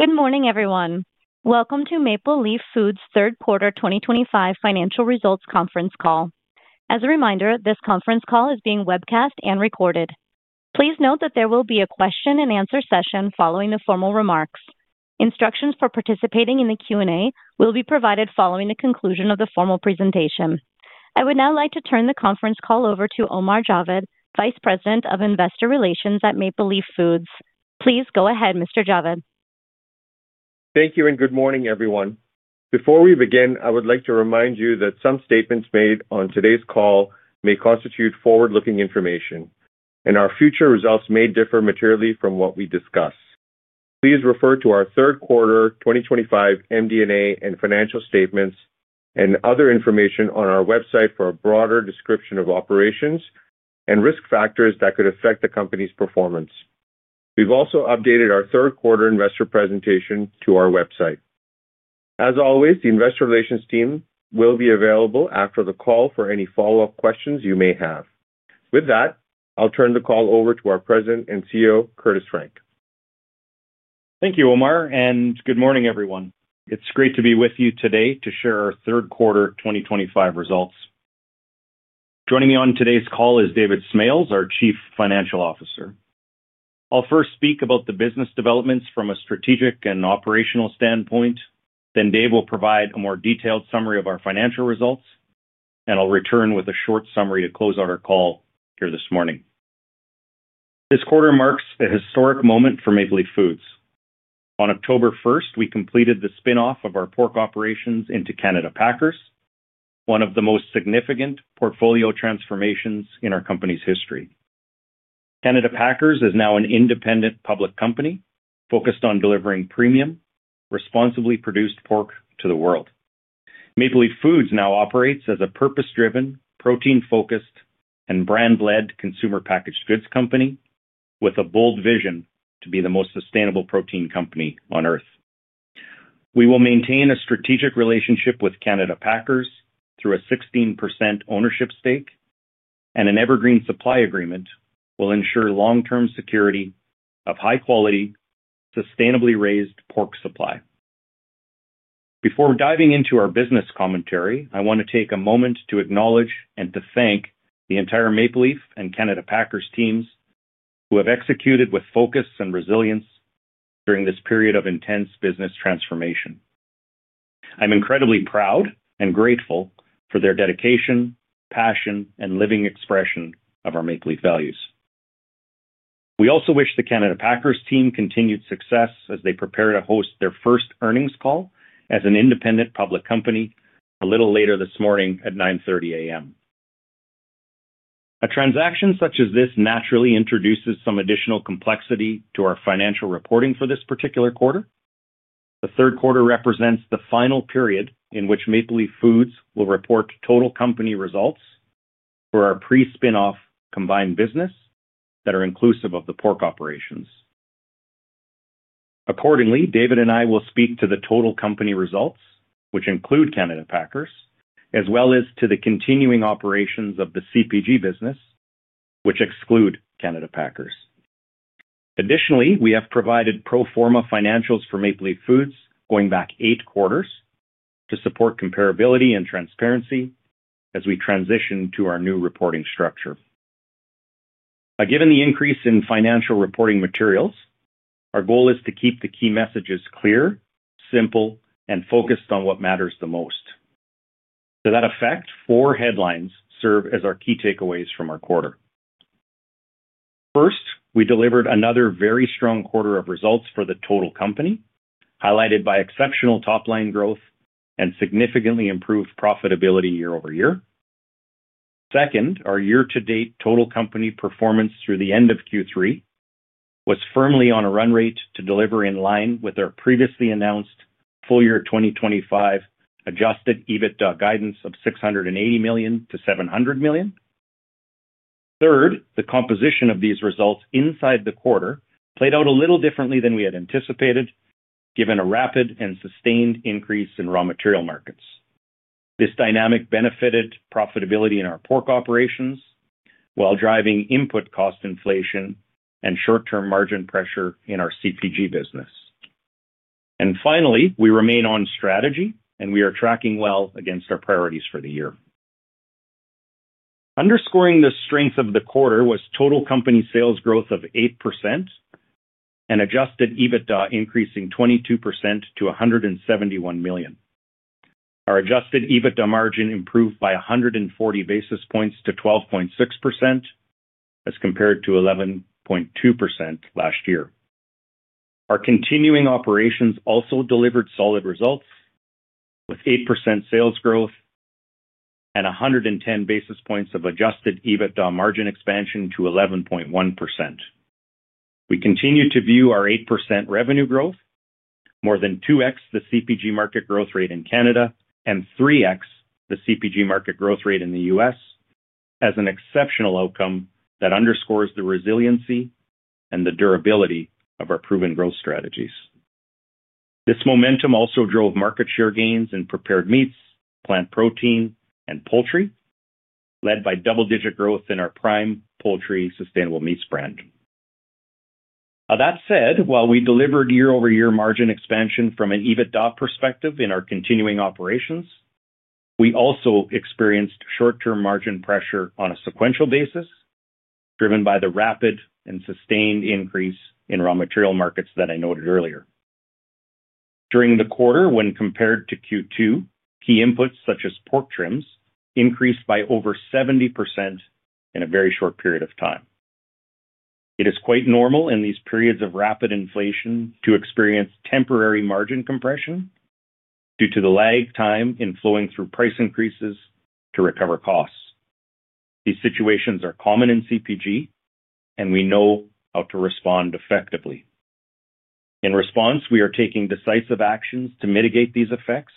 Good morning, everyone. Welcome to Maple Leaf Foods' third quarter 2025 financial results conference call. As a reminder, this conference call is being webcast and recorded. Please note that there will be a question-and-answer session following the formal remarks. Instructions for participating in the Q&A will be provided following the conclusion of the formal presentation. I would now like to turn the conference call over to Omar Javed, Vice President of Investor Relations at Maple Leaf Foods. Please go ahead, Mr. Javed. Thank you, and good morning, everyone. Before we begin, I would like to remind you that some statements made on today's call may constitute forward-looking information, and our future results may differ materially from what we discuss. Please refer to our third quarter 2025 MD&A and financial statements and other information on our website for a broader description of operations and risk factors that could affect the company's performance. We have also updated our third quarter investor presentation to our website. As always, the investor relations team will be available after the call for any follow-up questions you may have. With that, I'll turn the call over to our President and CEO, Curtis Frank. Thank you, Omar, and good morning, everyone. It's great to be with you today to share our third quarter 2025 results. Joining me on today's call is David Smales, our Chief Financial Officer. I'll first speak about the business developments from a strategic and operational standpoint. Dave will provide a more detailed summary of our financial results, and I'll return with a short summary to close out our call here this morning. This quarter marks a historic moment for Maple Leaf Foods. On October 1st, we completed the spinoff of our pork operations into Canada Packers, one of the most significant portfolio transformations in our company's history. Canada Packers is now an independent public company focused on delivering premium, responsibly produced pork to the world. Maple Leaf Foods now operates as a purpose-driven, protein-focused, and brand-led consumer packaged goods company with a bold vision to be the most sustainable protein company on Earth. We will maintain a strategic relationship with Canada Packers through a 16% ownership stake, and an evergreen supply agreement will ensure long-term security of high-quality, sustainably raised pork supply. Before diving into our business commentary, I want to take a moment to acknowledge and to thank the entire Maple Leaf and Canada Packers teams who have executed with focus and resilience during this period of intense business transformation. I'm incredibly proud and grateful for their dedication, passion, and living expression of our Maple Leaf values. We also wish the Canada Packers team continued success as they prepare to host their first earnings call as an independent public company a little later this morning at 9:30 A.M. A transaction such as this naturally introduces some additional complexity to our financial reporting for this particular quarter. The third quarter represents the final period in which Maple Leaf Foods will report total company results for our pre-spinoff combined business that are inclusive of the pork operations. Accordingly, David and I will speak to the total company results, which include Canada Packers, as well as to the continuing operations of the CPG business, which exclude Canada Packers. Additionally, we have provided pro forma financials for Maple Leaf Foods going back eight quarters to support comparability and transparency as we transition to our new reporting structure. Given the increase in financial reporting materials, our goal is to keep the key messages clear, simple, and focused on what matters the most. To that effect, four headlines serve as our key takeaways from our quarter. First, we delivered another very strong quarter of results for the total company, highlighted by exceptional top-line growth and significantly improved profitability year over year. Second, our year-to-date total company performance through the end of Q3 was firmly on a run rate to deliver in line with our previously announced full year 2025 adjusted EBITDA guidance of 680 million-700 million. Third, the composition of these results inside the quarter played out a little differently than we had anticipated, given a rapid and sustained increase in raw material markets. This dynamic benefited profitability in our pork operations while driving input cost inflation and short-term margin pressure in our CPG business. Finally, we remain on strategy, and we are tracking well against our priorities for the year. Underscoring the strength of the quarter was total company sales growth of 8% and adjusted EBITDA increasing 22% to 171 million. Our adjusted EBITDA margin improved by 140 basis points to 12.6%. As compared to 11.2% last year. Our continuing operations also delivered solid results with 8% sales growth. And 110 basis points of adjusted EBITDA margin expansion to 11.1%. We continue to view our 8% revenue growth, more than 2x the CPG market growth rate in Canada and 3x the CPG market growth rate in the U.S., as an exceptional outcome that underscores the resiliency and the durability of our proven growth strategies. This momentum also drove market share gains in prepared meats, plant protein, and poultry, led by double-digit growth in our Prime Poultry sustainable meats brand. That said, while we delivered year-over-year margin expansion from an EBITDA perspective in our continuing operations, we also experienced short-term margin pressure on a sequential basis, driven by the rapid and sustained increase in raw material markets that I noted earlier. During the quarter, when compared to Q2, key inputs such as pork trims increased by over 70% in a very short period of time. It is quite normal in these periods of rapid inflation to experience temporary margin compression due to the lag time in flowing through price increases to recover costs. These situations are common in CPG, and we know how to respond effectively. In response, we are taking decisive actions to mitigate these effects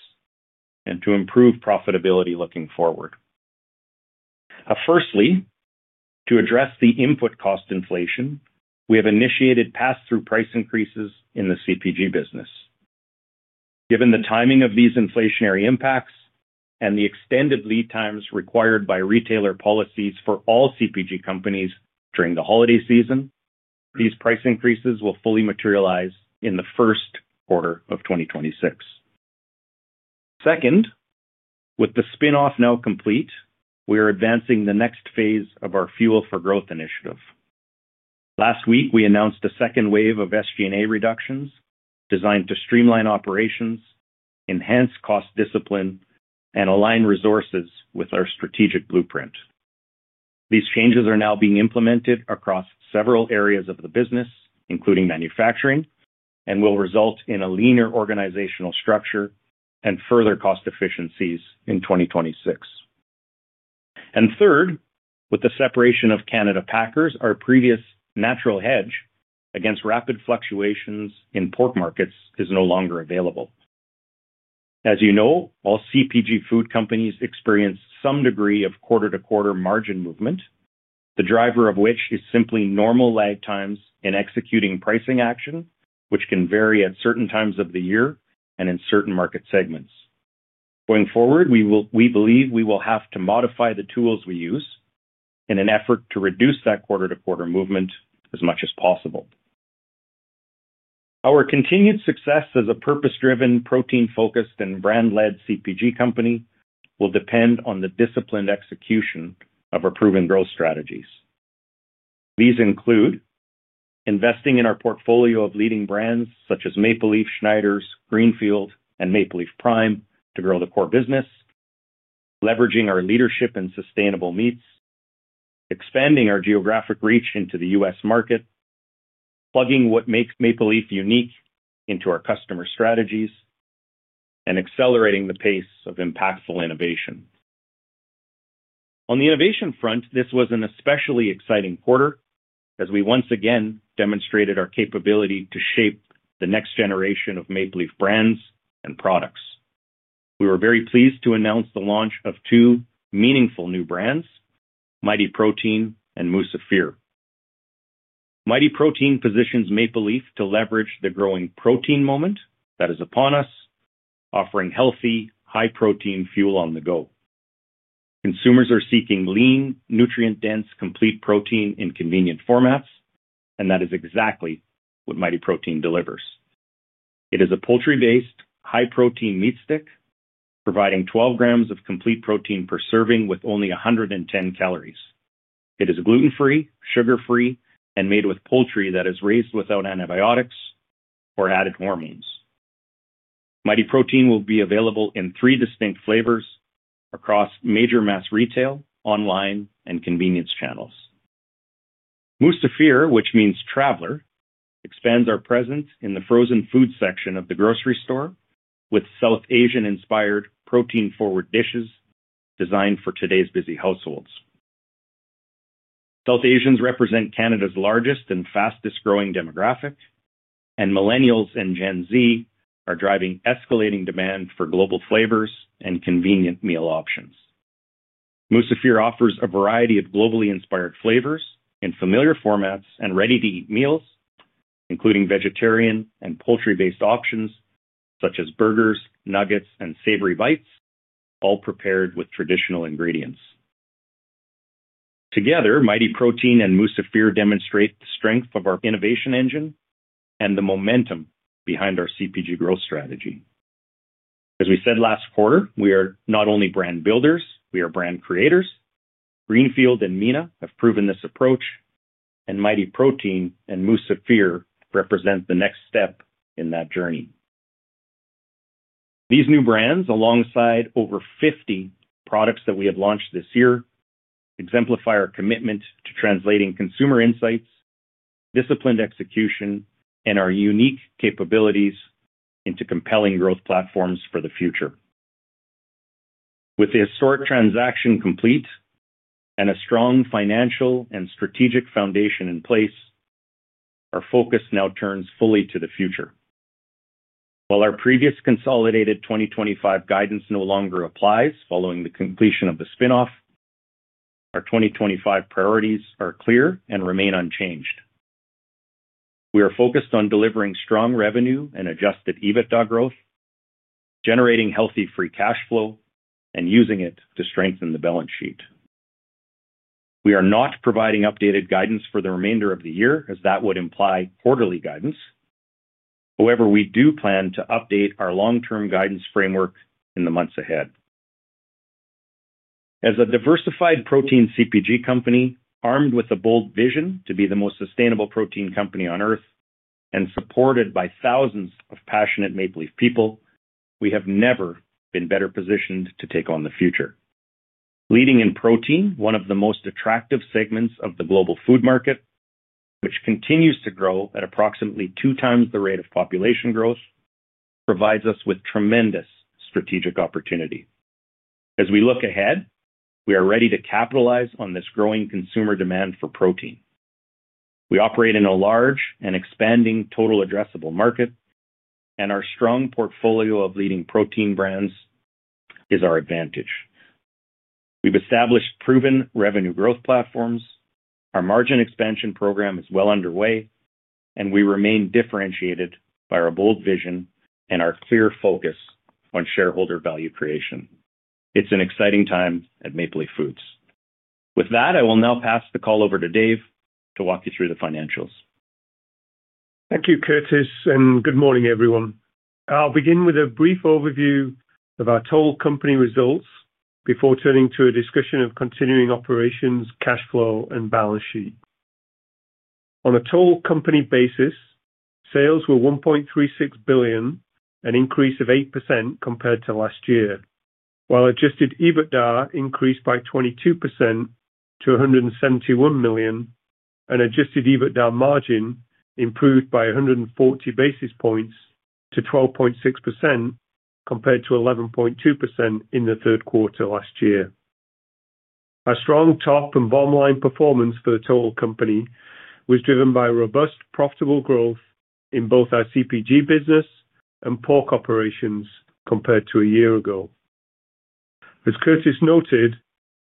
and to improve profitability looking forward. Firstly, to address the input cost inflation, we have initiated pass-through price increases in the CPG business. Given the timing of these inflationary impacts and the extended lead times required by retailer policies for all CPG companies during the holiday season, these price increases will fully materialize in the first quarter of 2026. Second. With the spinoff now complete, we are advancing the next phase of our Fuel for Growth initiative. Last week, we announced a second wave of SG&A reductions designed to streamline operations, enhance cost discipline, and align resources with our strategic blueprint. These changes are now being implemented across several areas of the business, including manufacturing, and will result in a leaner organizational structure and further cost efficiencies in 2026. Third, with the separation of Canada Packers, our previous natural hedge against rapid fluctuations in pork markets is no longer available. As you know, all CPG food companies experience some degree of quarter-to-quarter margin movement, the driver of which is simply normal lag times in executing pricing action, which can vary at certain times of the year and in certain market segments. Going forward, we believe we will have to modify the tools we use. In an effort to reduce that quarter-to-quarter movement as much as possible. Our continued success as a purpose-driven, protein-focused, and brand-led CPG company will depend on the disciplined execution of our proven growth strategies. These include investing in our portfolio of leading brands such as Maple Leaf Schneiders, Greenfield, and Maple Leaf Prime to grow the core business. Leveraging our leadership in sustainable meats, expanding our geographic reach into the U.S. market. Plugging what makes Maple Leaf unique into our customer strategies, and accelerating the pace of impactful innovation. On the innovation front, this was an especially exciting quarter as we once again demonstrated our capability to shape the next generation of Maple Leaf brands and products. We were very pleased to announce the launch of two meaningful new brands, Mighty Protein and Musafir. Mighty Protein positions Maple Leaf to leverage the growing protein moment that is upon us, offering healthy, high-protein fuel on the go. Consumers are seeking lean, nutrient-dense, complete protein in convenient formats, and that is exactly what Mighty Protein delivers. It is a poultry-based, high-protein meat stick, providing 12 grams of complete protein per serving with only 110 calories. It is gluten-free, sugar-free, and made with poultry that is raised without antibiotics or added hormones. Mighty Protein will be available in three distinct flavors across major mass retail, online, and convenience channels. Musafir, which means traveler, expands our presence in the frozen food section of the grocery store with South Asian-inspired protein-forward dishes designed for today's busy households. South Asians represent Canada's largest and fastest-growing demographic, and millennials and Gen Z are driving escalating demand for global flavors and convenient meal options. Musafir offers a variety of globally inspired flavors in familiar formats and ready-to-eat meals, including vegetarian and poultry-based options such as burgers, nuggets, and savory bites, all prepared with traditional ingredients. Together, Mighty Protein and Musafir demonstrate the strength of our innovation engine and the momentum behind our CPG growth strategy. As we said last quarter, we are not only brand builders; we are brand creators. Greenfield and Mina have proven this approach, and Mighty Protein and Musafir represent the next step in that journey. These new brands, alongside over 50 products that we have launched this year, exemplify our commitment to translating consumer insights, disciplined execution, and our unique capabilities into compelling growth platforms for the future. With the historic transaction complete and a strong financial and strategic foundation in place, our focus now turns fully to the future. While our previous consolidated 2025 guidance no longer applies following the completion of the spinoff, our 2025 priorities are clear and remain unchanged. We are focused on delivering strong revenue and adjusted EBITDA growth, generating healthy free cash flow, and using it to strengthen the balance sheet. We are not providing updated guidance for the remainder of the year, as that would imply quarterly guidance. However, we do plan to update our long-term guidance framework in the months ahead. As a diversified protein CPG company, armed with a bold vision to be the most sustainable protein company on Earth and supported by thousands of passionate Maple Leaf people, we have never been better positioned to take on the future, leading in protein, one of the most attractive segments of the global food market. Which continues to grow at approximately two times the rate of population growth, provides us with tremendous strategic opportunity. As we look ahead, we are ready to capitalize on this growing consumer demand for protein. We operate in a large and expanding total addressable market. Our strong portfolio of leading protein brands is our advantage. We have established proven revenue growth platforms, our margin expansion program is well underway, and we remain differentiated by our bold vision and our clear focus on shareholder value creation. It is an exciting time at Maple Leaf Foods. With that, I will now pass the call over to Dave to walk you through the financials. Thank you, Curtis, and good morning, everyone. I will begin with a brief overview of our total company results before turning to a discussion of continuing operations, cash flow, and balance sheet. On a total company basis, sales were 1.36 billion, an increase of 8% compared to last year, while adjusted EBITDA increased by 22% to 171 million, and adjusted EBITDA margin improved by 140 basis points to 12.6% compared to 11.2% in the third quarter last year. Our strong top and bottom-line performance for the total company was driven by robust, profitable growth in both our CPG business and pork operations compared to a year ago. As Curtis noted,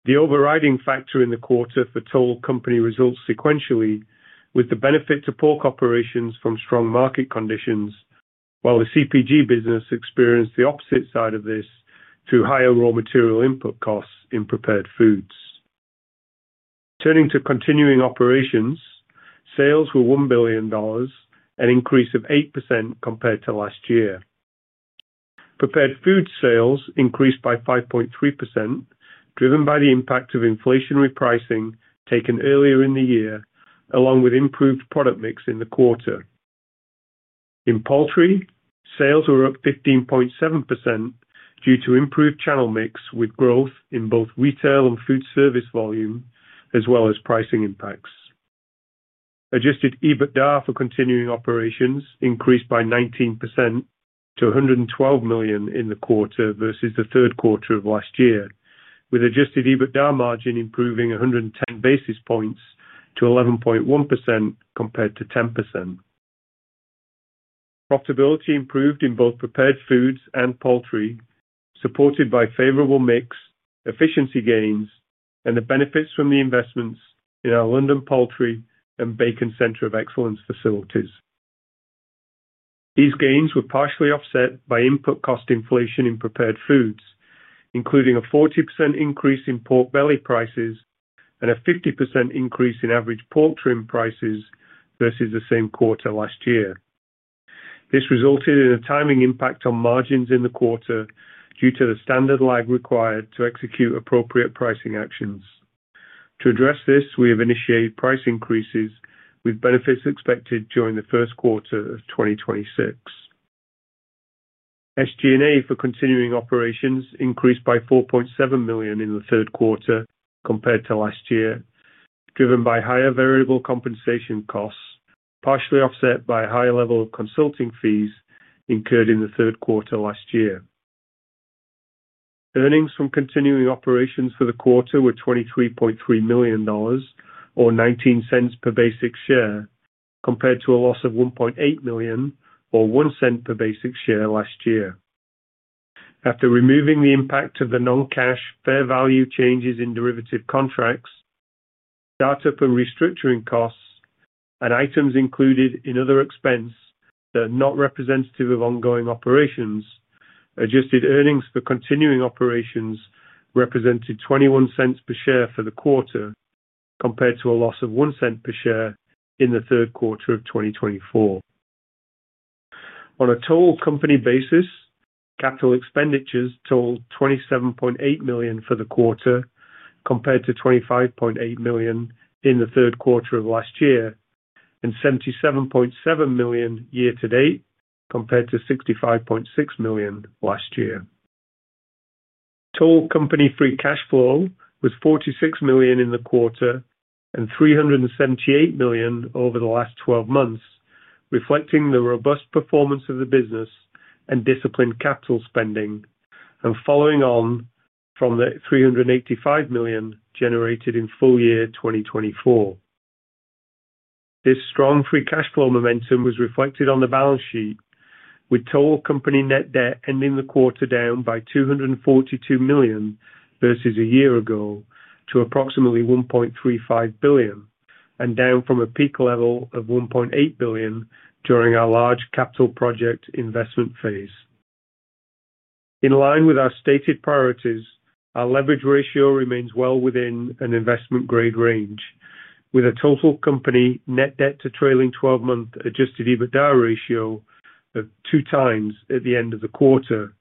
the overriding factor in the quarter for total company results sequentially was the benefit to pork operations from strong market conditions, while the CPG business experienced the opposite side of this through higher raw material input costs in prepared foods. Turning to continuing operations, sales were 1 billion dollars, an increase of 8% compared to last year. Prepared food sales increased by 5.3%, driven by the impact of inflationary pricing taken earlier in the year, along with improved product mix in the quarter. In poultry, sales were up 15.7% due to improved channel mix with growth in both retail and food service volume, as well as pricing impacts. Adjusted EBITDA for continuing operations increased by 19% to 112 million in the quarter versus the third quarter of last year, with adjusted EBITDA margin improving 110 basis points to 11.1% compared to 10%. Profitability improved in both prepared foods and poultry, supported by favorable mix, efficiency gains, and the benefits from the investments in our London Poultry and Bacon Center of Excellence facilities. These gains were partially offset by input cost inflation in prepared foods, including a 40% increase in pork belly prices and a 50% increase in average pork trim prices versus the same quarter last year. This resulted in a timing impact on margins in the quarter due to the standard lag required to execute appropriate pricing actions. To address this, we have initiated price increases with benefits expected during the first quarter of 2026. SG&A for continuing operations increased by 4.7 million in the third quarter compared to last year, driven by higher variable compensation costs, partially offset by a higher level of consulting fees incurred in the third quarter last year. Earnings from continuing operations for the quarter were 23.3 million dollars, or 0.19 per basic share, compared to a loss of 1.8 million or 0.01 per basic share last year, after removing the impact of the non-cash fair value changes in derivative contracts. Startup and restructuring costs, and items included in other expense that are not representative of ongoing operations, adjusted earnings for continuing operations represented 0.21 per share for the quarter compared to a loss of 0.01 per share in the third quarter of 2024. On a total company basis, capital expenditures totaled 27.8 million for the quarter compared to 25.8 million in the third quarter of last year, and 77.7 million year to date compared to 65.6 million last year. Total company free cash flow was 46 million in the quarter and 378 million over the last 12 months, reflecting the robust performance of the business and disciplined capital spending, and following on from the 385 million generated in full year 2024. This strong free cash flow momentum was reflected on the balance sheet, with total company net debt ending the quarter down by 242 million versus a year ago to approximately 1.35 billion, and down from a peak level of 1.8 billion during our large capital project investment phase. In line with our stated priorities, our leverage ratio remains well within an investment-grade range, with a total company net debt to trailing 12-month adjusted EBITDA ratio of 2x at the end of the quarter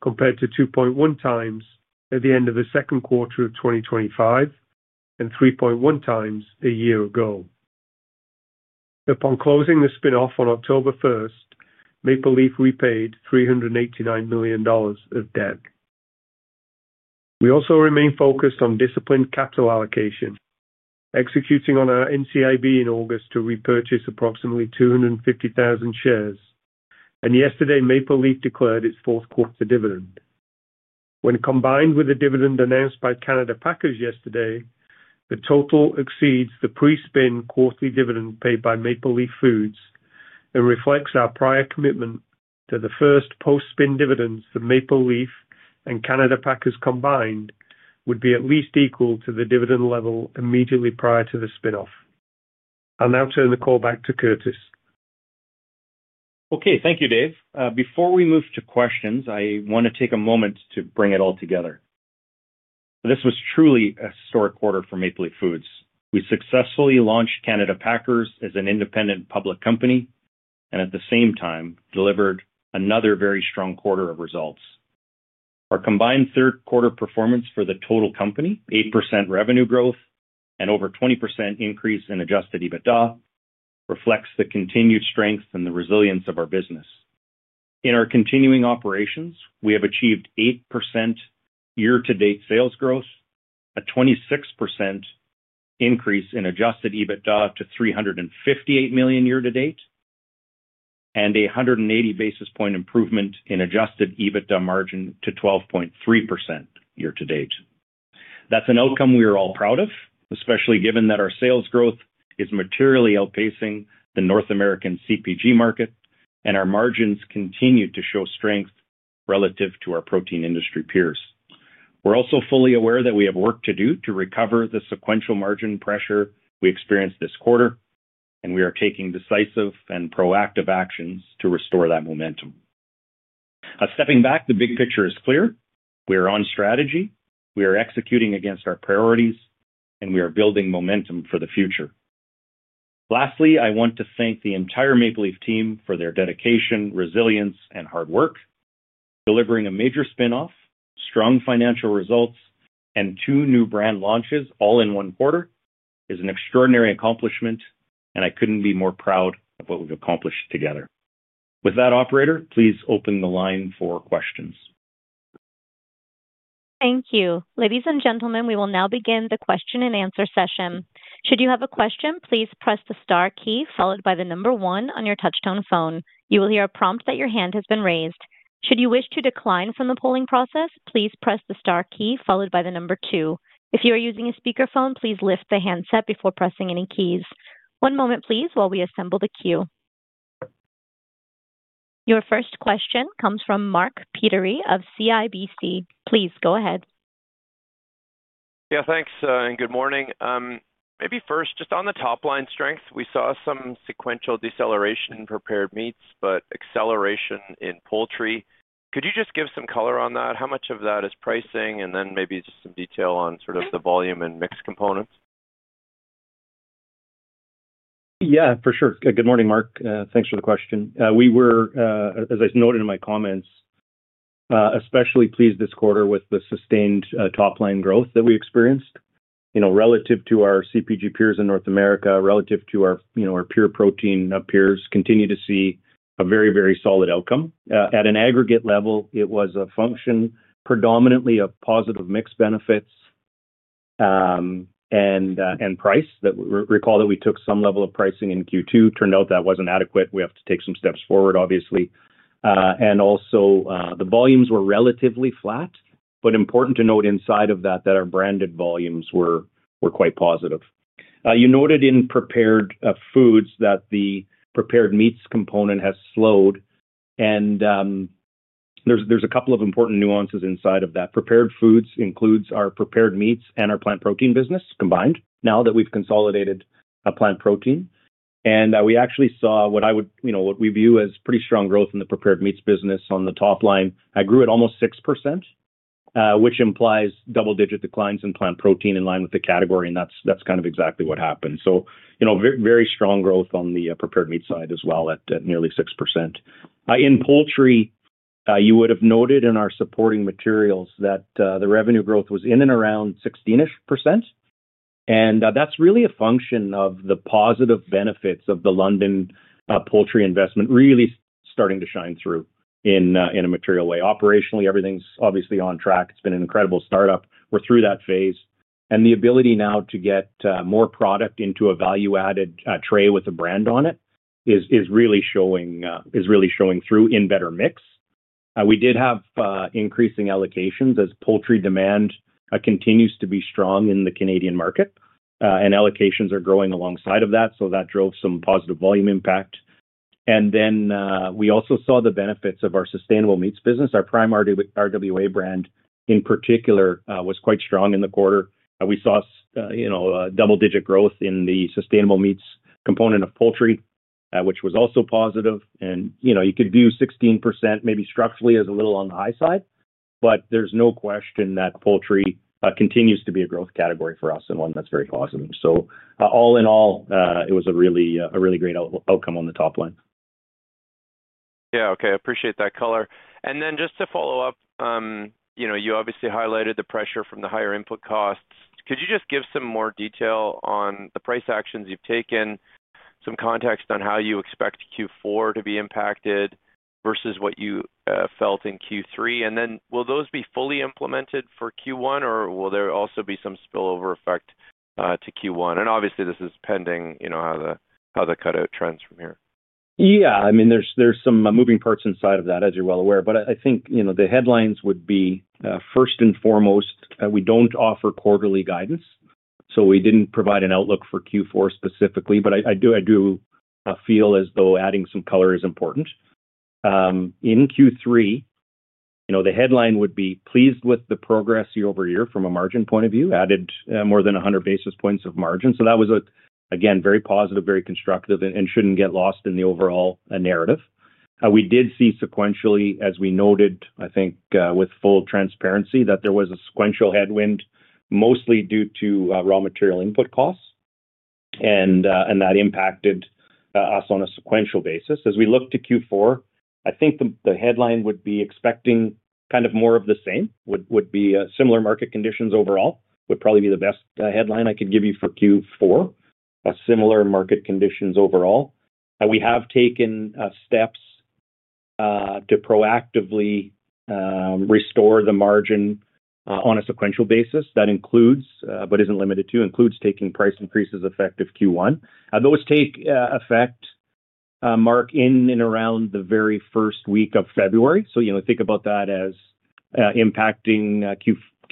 compared to 2.1x at the end of the second quarter of 2025, and 3.1x a year ago. Upon closing the spinoff on October 1st, Maple Leaf repaid 389 million dollars of debt. We also remain focused on disciplined capital allocation, executing on our NCIB in August to repurchase approximately 250,000 shares. Yesterday, Maple Leaf declared its fourth quarter dividend. When combined with the dividend announced by Canada Packers yesterday, the total exceeds the pre-spin quarterly dividend paid by Maple Leaf Foods and reflects our prior commitment that the first post-spin dividends for Maple Leaf and Canada Packers combined would be at least equal to the dividend level immediately prior to the spinoff. I'll now turn the call back to Curtis. Okay, thank you, Dave. Before we move to questions, I want to take a moment to bring it all together. This was truly a historic quarter for Maple Leaf Foods. We successfully launched Canada Packers as an independent public company and at the same time delivered another very strong quarter of results. Our combined third quarter performance for the total company, 8% revenue growth and over 20% increase in adjusted EBITDA, reflects the continued strength and the resilience of our business. In our continuing operations, we have achieved 8%. year-to-date sales growth, a 26%. Increase in adjusted EBITDA to 358 million year to date. And a 180 basis point improvement in adjusted EBITDA margin to 12.3% year to date. That's an outcome we are all proud of, especially given that our sales growth is materially outpacing the North American CPG market, and our margins continue to show strength relative to our protein industry peers. We're also fully aware that we have work to do to recover the sequential margin pressure we experienced this quarter, and we are taking decisive and proactive actions to restore that momentum. Stepping back, the big picture is clear. We are on strategy, we are executing against our priorities, and we are building momentum for the future. Lastly, I want to thank the entire Maple Leaf team for their dedication, resilience, and hard work. Delivering a major spinoff, strong financial results, and two new brand launches all in one quarter is an extraordinary accomplishment, and I couldn't be more proud of what we've accomplished together. With that, operator, please open the line for questions. Thank you. Ladies and gentlemen, we will now begin the question-and-answer session. Should you have a question, please press the star key followed by the number one on your touch-tone phone. You will hear a prompt that your hand has been raised. Should you wish to decline from the polling process, please press the star key followed by the number two. If you are using a speakerphone, please lift the handset before pressing any keys. One moment, please, while we assemble the queue. Your first question comes from Mark Peterie of CIBC. Please go ahead. Yeah, thanks, and good morning. Maybe first, just on the top line strength, we saw some sequential deceleration in prepared meats, but acceleration in poultry. Could you just give some color on that? How much of that is pricing, and then maybe just some detail on sort of the volume and mix components? Yeah, for sure. Good morning, Mark. Thanks for the question. We were, as I noted in my comments, especially pleased this quarter with the sustained top-line growth that we experienced. Relative to our CPG peers in North America, relative to our pure protein peers, continue to see a very, very solid outcome. At an aggregate level, it was a function predominantly of positive mix benefits and price. Recall that we took some level of pricing in Q2. Turned out that was not adequate. We have to take some steps forward, obviously. The volumes were relatively flat, but important to note inside of that that our branded volumes were quite positive. You noted in prepared foods that the prepared meats component has slowed. There are a couple of important nuances inside of that. Prepared foods includes our prepared meats and our plant protein business combined now that we've consolidated plant protein. We actually saw what we view as pretty strong growth in the prepared meats business on the top line. It grew at almost 6%, which implies double-digit declines in plant protein in line with the category, and that's kind of exactly what happened. Very strong growth on the prepared meat side as well at nearly 6%. In poultry, you would have noted in our supporting materials that the revenue growth was in and around 16%. That is really a function of the positive benefits of the London Poultry investment really starting to shine through in a material way. Operationally, everything is obviously on track. It has been an incredible startup. We are through that phase. The ability now to get more product into a value-added tray with a brand on it is really showing through in better mix. We did have increasing allocations as poultry demand continues to be strong in the Canadian market, and allocations are growing alongside that, so that drove some positive volume impact. We also saw the benefits of our sustainable meats business. Our Prime RWA brand, in particular, was quite strong in the quarter. We saw double-digit growth in the sustainable meats component of poultry, which was also positive. You could view 16% maybe structurally as a little on the high side, but there is no question that poultry continues to be a growth category for us and one that is very positive. All in all, it was a really great outcome on the top line. Yeah, okay. I appreciate that color. Just to follow up, you obviously highlighted the pressure from the higher input costs. Could you give some more detail on the price actions you have taken, some context on how you expect Q4 to be impacted versus what you felt in Q3? Will those be fully implemented for Q1, or will there also be some spillover effect to Q1? Obviously, this is pending how the cutout trends from here. Yeah, I mean, there are some moving parts inside of that, as you are well aware. I think the headlines would be, first and foremost, we don't offer quarterly guidance, so we didn't provide an outlook for Q4 specifically, but I do feel as though adding some color is important. In Q3, the headline would be, "Pleased with the progress year over year from a margin point of view, added more than 100 basis points of margin." That was, again, very positive, very constructive, and shouldn't get lost in the overall narrative. We did see sequentially, as we noted, I think, with full transparency, that there was a sequential headwind mostly due to raw material input costs. That impacted us on a sequential basis. As we look to Q4, I think the headline would be expecting kind of more of the same, would be similar market conditions overall, would probably be the best headline I could give you for Q4. Similar market conditions overall. We have taken steps to proactively restore the margin on a sequential basis. That includes, but is not limited to, includes taking price increases effective Q1. Those take effect, Mark, in and around the very first week of February. Think about that as impacting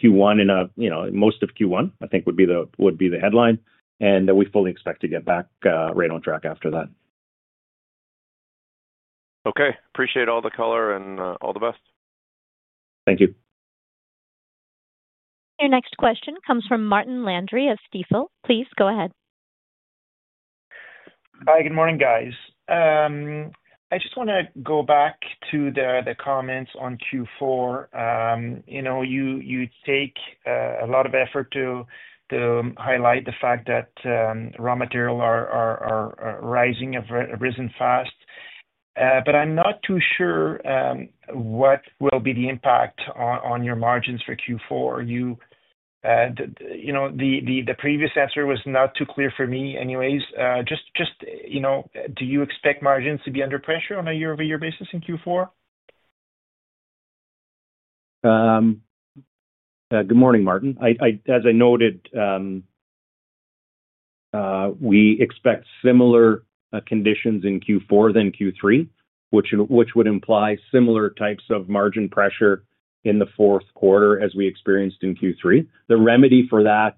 Q1, and most of Q1, I think, would be the headline. We fully expect to get back right on track after that. Okay. Appreciate all the color and all the best. Thank you. Your next question comes from Martin Landry of Stifel. Please go ahead. Hi, good morning, guys. I just want to go back to the comments on Q4. You take a lot of effort to highlight the fact that raw material are rising, risen fast. I am not too sure what will be the impact on your margins for Q4. Previous answer was not too clear for me anyways. Just. Do you expect margins to be under pressure on a year-over-year basis in Q4? Good morning, Martin. As I noted. We expect similar conditions in Q4 than Q3, which would imply similar types of margin pressure in the fourth quarter as we experienced in Q3. The remedy for that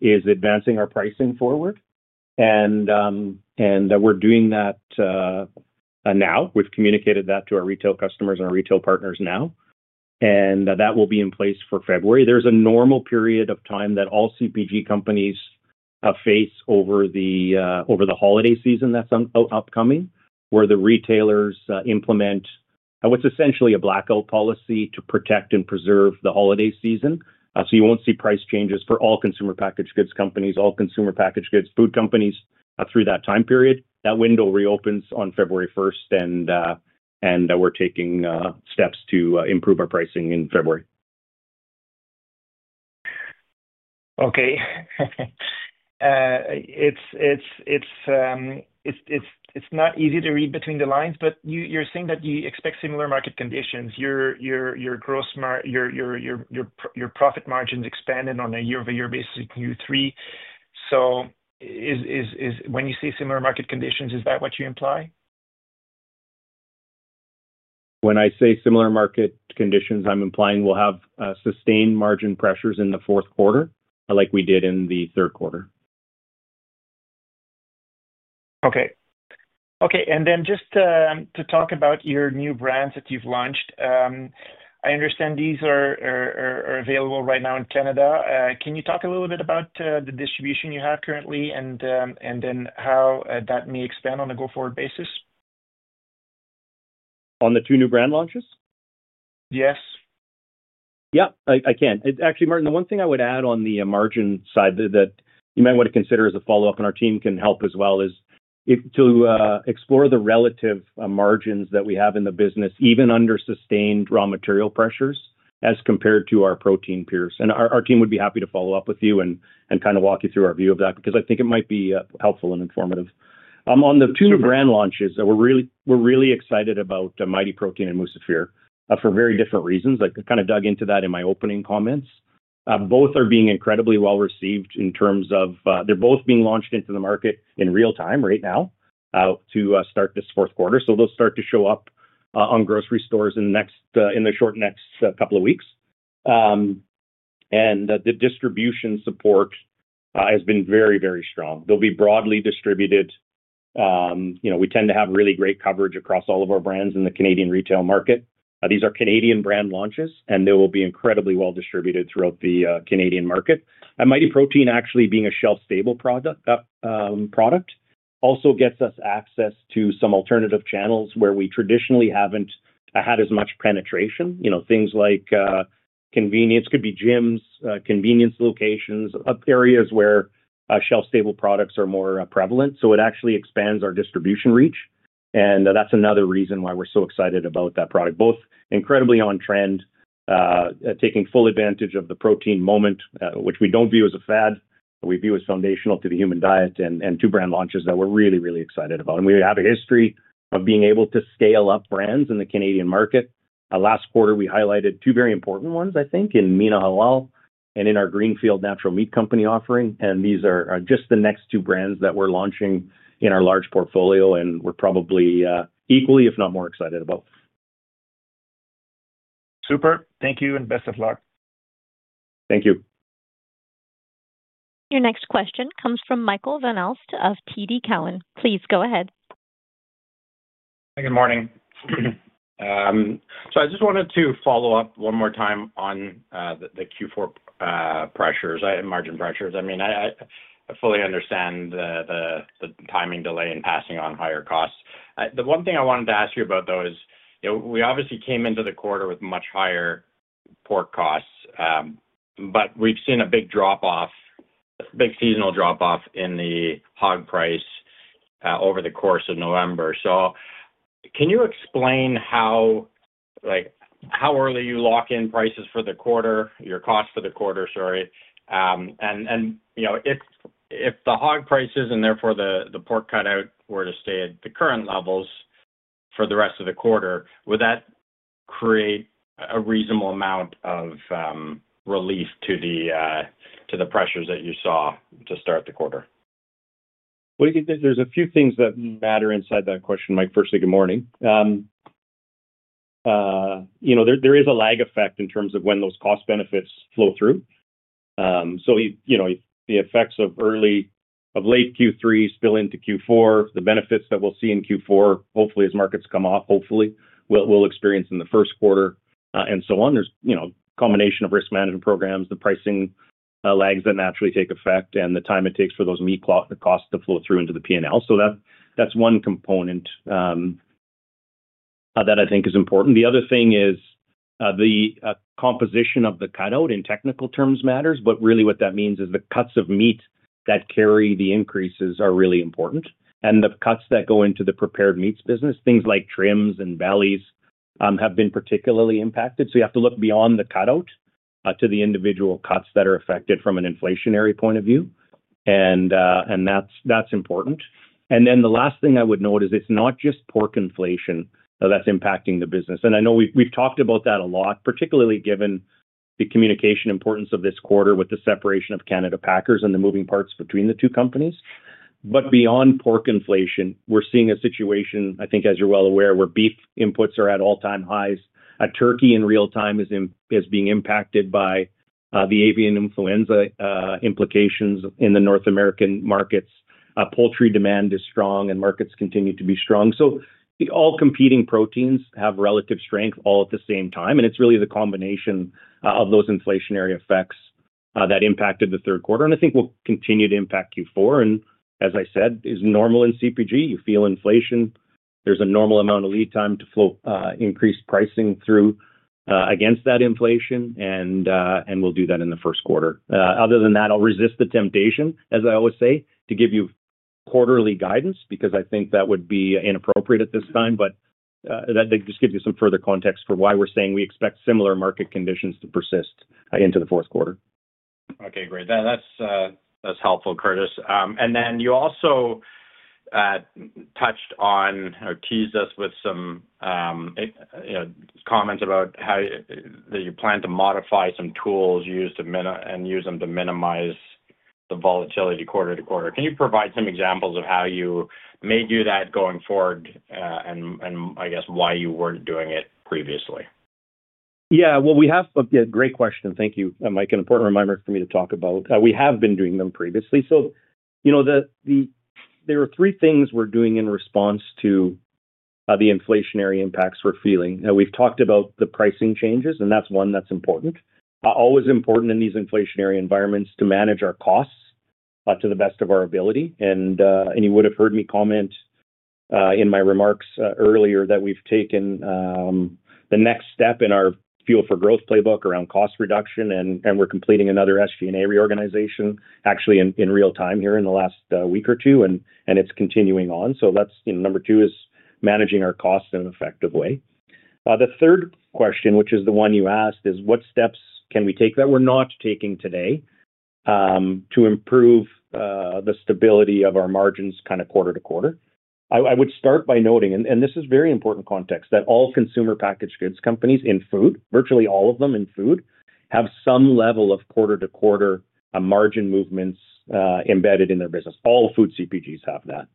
is advancing our pricing forward. We're doing that. Now. We've communicated that to our retail customers and our retail partners now. That will be in place for February. There's a normal period of time that all CPG companies face over the holiday season that's upcoming, where the retailers implement what's essentially a blackout policy to protect and preserve the holiday season. You won't see price changes for all consumer packaged goods companies, all consumer packaged goods food companies through that time period. That window reopens on February 1, and we're taking steps to improve our pricing in February. Okay. It's not easy to read between the lines, but you're saying that you expect similar market conditions. Your profit margins expanded on a year-over-year basis in Q3. When you say similar market conditions, is that what you imply? When I say similar market conditions, I'm implying we'll have sustained margin pressures in the fourth quarter like we did in the third quarter. Okay. Okay. And then just to talk about your new brands that you've launched. I understand these are available right now in Canada. Can you talk a little bit about the distribution you have currently and then how that may expand on a go-forward basis? On the two new brand launches? Yes. Yeah, I can. Actually, Martin, the one thing I would add on the margin side that you might want to consider as a follow-up and our team can help as well is to explore the relative margins that we have in the business, even under sustained raw material pressures as compared to our protein peers. And our team would be happy to follow up with you and kind of walk you through our view of that because I think it might be helpful and informative. On the two brand launches, we're really excited about Mighty Protein and Musafir for very different reasons. I kind of dug into that in my opening comments. Both are being incredibly well received in terms of they're both being launched into the market in real time right now. To start this fourth quarter. They'll start to show up on grocery stores in the next couple of weeks. The distribution support has been very, very strong. They'll be broadly distributed. We tend to have really great coverage across all of our brands in the Canadian retail market. These are Canadian brand launches, and they will be incredibly well distributed throughout the Canadian market. Mighty Protein, actually being a shelf-stable product, also gets us access to some alternative channels where we traditionally haven't had as much penetration. Things like convenience, could be gyms, convenience locations, areas where shelf-stable products are more prevalent. It actually expands our distribution reach, and that's another reason why we're so excited about that product. Both incredibly on trend. Taking full advantage of the protein moment, which we do not view as a fad, we view as foundational to the human diet, and two brand launches that we are really, really excited about. We have a history of being able to scale up brands in the Canadian market. Last quarter, we highlighted two very important ones, I think, in Mina Halal and in our Greenfield Natural Meat Co offering. These are just the next two brands that we are launching in our large portfolio, and we are probably equally, if not more, excited about. Super. Thank you, and best of luck. Thank you. Your next question comes from Michael Van Aelst of TD Cowen. Please go ahead. Hey, good morning. I just wanted to follow up one more time on the Q4 pressures, margin pressures. I mean, I fully understand the timing delay in passing on higher costs. The one thing I wanted to ask you about, though, is we obviously came into the quarter with much higher pork costs. We have seen a big drop-off, big seasonal drop-off in the hog price over the course of November. Can you explain how early you lock in prices for the quarter, your cost for the quarter, sorry? If the hog prices and therefore the pork cut out were to stay at the current levels for the rest of the quarter, would that create a reasonable amount of relief to the pressures that you saw to start the quarter? There are a few things that matter inside that question, Mike. Firstly, good morning. There is a lag effect in terms of when those cost benefits flow through. The effects of late Q3 spill into Q4, the benefits that we'll see in Q4, hopefully, as markets come off, hopefully, we'll experience in the first quarter, and so on. There's a combination of risk management programs, the pricing lags that naturally take effect, and the time it takes for those meat costs to flow through into the P&L. That is one component that I think is important. The other thing is the composition of the cut out in technical terms matters, but really what that means is the cuts of meat that carry the increases are really important. The cuts that go into the prepared meats business, things like trims and bellies, have been particularly impacted. You have to look beyond the cut out to the individual cuts that are affected from an inflationary point of view. That is important. The last thing I would note is it's not just pork inflation that's impacting the business. I know we've talked about that a lot, particularly given the communication importance of this quarter with the separation of Canada Packers and the moving parts between the two companies. Beyond pork inflation, we're seeing a situation, I think, as you're well aware, where beef inputs are at all-time highs. Turkey in real time is being impacted by the avian influenza implications in the North American markets. Poultry demand is strong, and markets continue to be strong. All competing proteins have relative strength all at the same time. It's really the combination of those inflationary effects that impacted the third quarter. I think it will continue to impact Q4. As I said, it's normal in CPG. You feel inflation. There's a normal amount of lead time to flow increased pricing through against that inflation. We'll do that in the first quarter. Other than that, I'll resist the temptation, as I always say, to give you quarterly guidance because I think that would be inappropriate at this time. That just gives you some further context for why we're saying we expect similar market conditions to persist into the fourth quarter. Okay, great. That's helpful, Curtis. You also touched on or teased us with some comments about how you plan to modify some tools and use them to minimize the volatility quarter to quarter. Can you provide some examples of how you may do that going forward and, I guess, why you weren't doing it previously? Yeah. Great question. Thank you, Mike. An important reminder for me to talk about. We have been doing them previously. There were three things we're doing in response to the inflationary impacts we're feeling. We've talked about the pricing changes, and that's one that's important. Always important in these inflationary environments to manage our costs to the best of our ability. You would have heard me comment in my remarks earlier that we've taken the next step in our fuel for growth playbook around cost reduction, and we're completing another SG&A reorganization, actually in real time here in the last week or two, and it's continuing on. Number two is managing our costs in an effective way. The third question, which is the one you asked, is what steps can we take that we're not taking today to improve the stability of our margins kind of quarter to quarter? I would start by noting, and this is very important context, that all consumer packaged goods companies in food, virtually all of them in food, have some level of quarter to quarter margin movements embedded in their business. All food CPGs have that.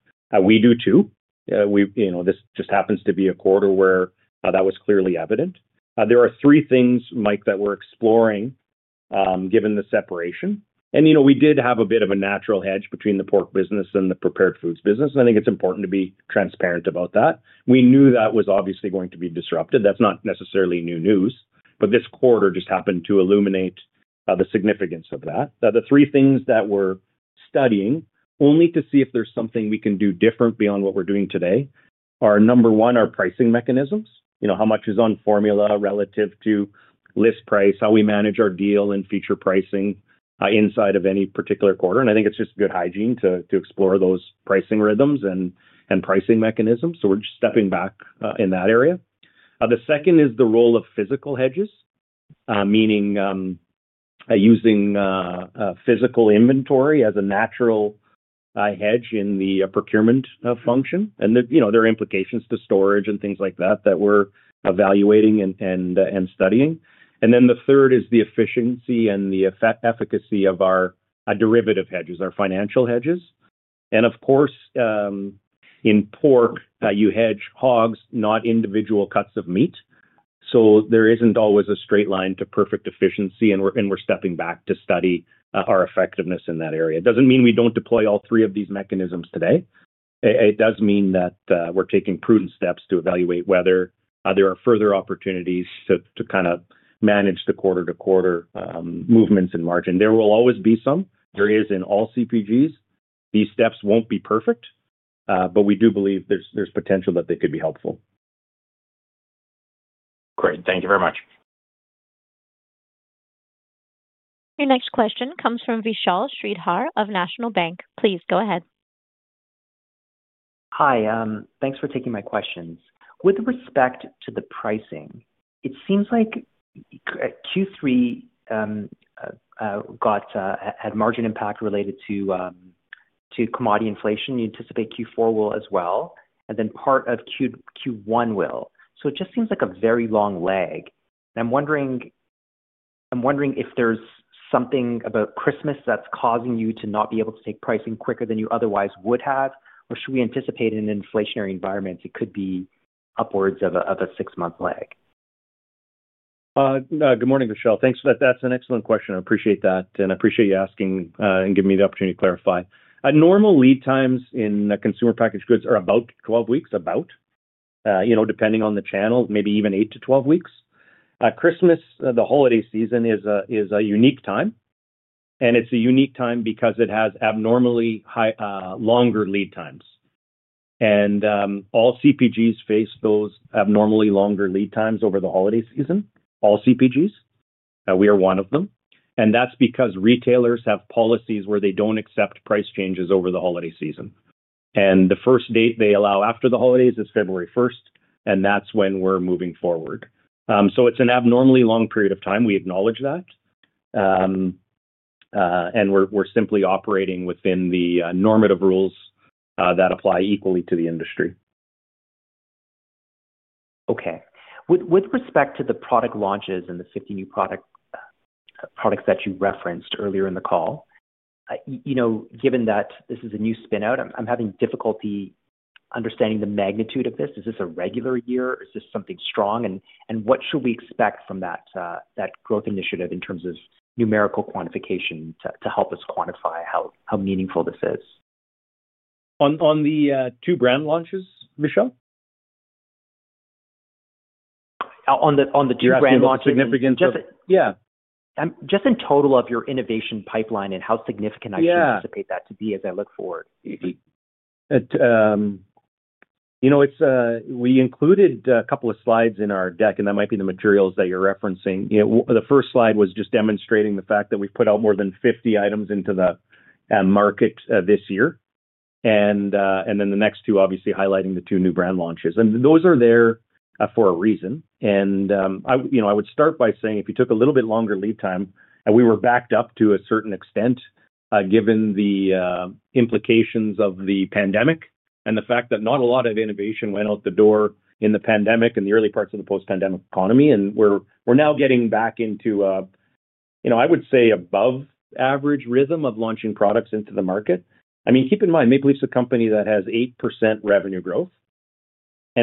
We do too. This just happens to be a quarter where that was clearly evident. There are three things, Mike, that we're exploring. Given the separation. We did have a bit of a natural hedge between the pork business and the prepared foods business. I think it's important to be transparent about that. We knew that was obviously going to be disrupted. That's not necessarily new news, but this quarter just happened to illuminate the significance of that. The three things that we're studying, only to see if there's something we can do different beyond what we're doing today, are number one, our pricing mechanisms. How much is on formula relative to list price, how we manage our deal and future pricing inside of any particular quarter. I think it's just good hygiene to explore those pricing rhythms and pricing mechanisms. We're just stepping back in that area. The second is the role of physical hedges, meaning using physical inventory as a natural hedge in the procurement function and their implications to storage and things like that that we're evaluating and studying. The third is the efficiency and the efficacy of our derivative hedges, our financial hedges. Of course, in pork, you hedge hogs, not individual cuts of meat. There isn't always a straight line to perfect efficiency, and we're stepping back to study our effectiveness in that area. It doesn't mean we don't deploy all three of these mechanisms today. It does mean that we're taking prudent steps to evaluate whether there are further opportunities to kind of manage the quarter to quarter movements in margin. There will always be some. There is in all CPGs. These steps won't be perfect, but we do believe there's potential that they could be helpful. Great. Thank you very much. Your next question comes from Vishal Shreedhar of National Bank. Please go ahead. Hi. Thanks for taking my questions. With respect to the pricing, it seems like Q3 had margin impact related to commodity inflation. You anticipate Q4 will as well, and then part of Q1 will. It just seems like a very long leg. I'm wondering. If there's something about Christmas that's causing you to not be able to take pricing quicker than you otherwise would have, or should we anticipate in an inflationary environment, it could be upwards of a six-month lag? Good morning, Vishal. Thanks. That's an excellent question. I appreciate that. And I appreciate you asking and giving me the opportunity to clarify. Normal lead times in consumer packaged goods are about 12 weeks, about. Depending on the channel, maybe even 8-12 weeks. Christmas, the holiday season, is a unique time. It's a unique time because it has abnormally longer lead times. All CPGs face those abnormally longer lead times over the holiday season, all CPGs. We are one of them. That's because retailers have policies where they don't accept price changes over the holiday season. The first date they allow after the holidays is February 1, and that's when we're moving forward. It is an abnormally long period of time. We acknowledge that. We are simply operating within the normative rules that apply equally to the industry. Okay. With respect to the product launches and the 50 new products that you referenced earlier in the call, given that this is a new spinout, I'm having difficulty understanding the magnitude of this. Is this a regular year? Is this something strong? What should we expect from that growth initiative in terms of numerical quantification to help us quantify how meaningful this is? On the two brand launches, Vishal? On the two brand launches, yeah. Just in total of your innovation pipeline and how significant I should anticipate that to be as I look forward. We included a couple of slides in our deck, and that might be the materials that you're referencing. The first slide was just demonstrating the fact that we've put out more than 50 items into the market this year. The next two, obviously, highlighting the two new brand launches. Those are there for a reason. I would start by saying if you took a little bit longer lead time, and we were backed up to a certain extent given the implications of the pandemic and the fact that not a lot of innovation went out the door in the pandemic and the early parts of the post-pandemic economy. We're now getting back into, I would say, above-average rhythm of launching products into the market. I mean, keep in mind, Maple Leaf is a company that has 8% revenue growth.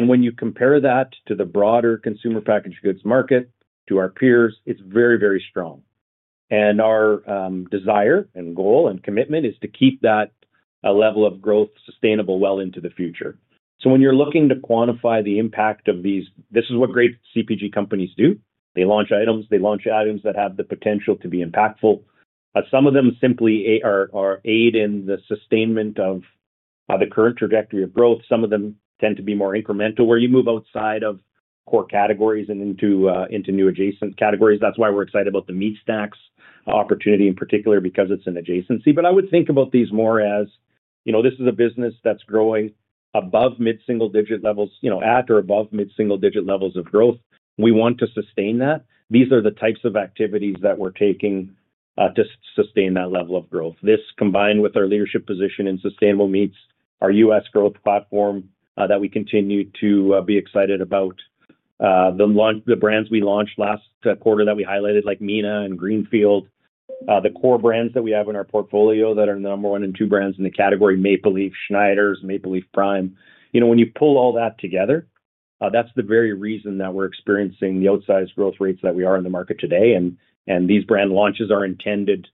When you compare that to the broader consumer packaged goods market, to our peers, it is very, very strong. Our desire and goal and commitment is to keep that level of growth sustainable well into the future. When you are looking to quantify the impact of these, this is what great CPG companies do. They launch items. They launch items that have the potential to be impactful. Some of them simply are aided in the sustainment of the current trajectory of growth. Some of them tend to be more incremental where you move outside of core categories and into new adjacent categories. That is why we are excited about the meat stacks opportunity in particular because it is an adjacency. I would think about these more as this is a business that is growing above mid-single digit levels at or above mid-single digit levels of growth. We want to sustain that. These are the types of activities that we're taking to sustain that level of growth. This, combined with our leadership position in sustainable meats, our U.S. growth platform that we continue to be excited about, the brands we launched last quarter that we highlighted, like Mina and Greenfield, the core brands that we have in our portfolio that are number one and two brands in the category: Maple Leaf Schneider's, Maple Leaf Prime. When you pull all that together, that's the very reason that we're experiencing the outsized growth rates that we are in the market today. These brand launches are intended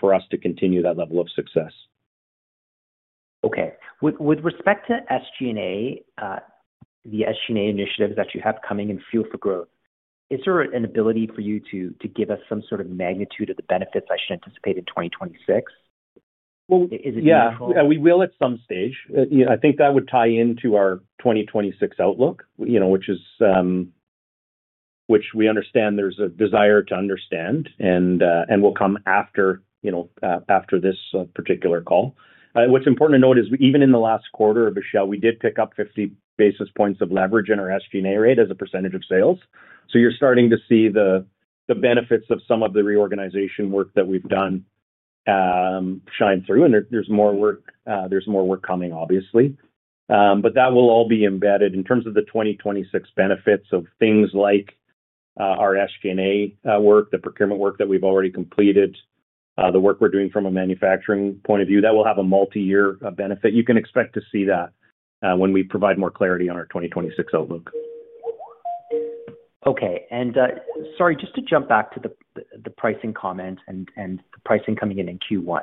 for us to continue that level of success. Okay. With respect to SG&A, the SG&A initiatives that you have coming in fuel for growth, is there an ability for you to give us some sort of magnitude of the benefits I should anticipate in 2026? Is it neutral? Yeah. We will at some stage. I think that would tie into our 2026 outlook, which. We understand there's a desire to understand, and will come after. This particular call. What's important to note is even in the last quarter, Vishal, we did pick up 50 basis points of leverage in our SG&A rate as a percentage of sales. You are starting to see the benefits of some of the reorganization work that we've done shine through. There is more work coming, obviously. That will all be embedded in terms of the 2026 benefits of things like our SG&A work, the procurement work that we've already completed, the work we're doing from a manufacturing point of view. That will have a multi-year benefit. You can expect to see that when we provide more clarity on our 2026 outlook. Okay. Sorry, just to jump back to the pricing comment and the pricing coming in in Q1.